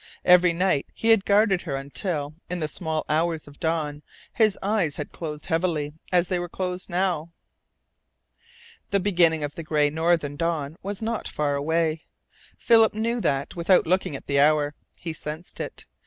Every night he had guarded her until, in the small hours of dawn, his eyes had closed heavily as they were closed now. The beginning of the gray northern dawn was not far away. Philip knew that without looking at the hour. He sensed it.